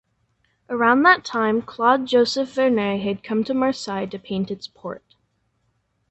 Around that time Claude Joseph Vernet had come to Marseille to paint its port.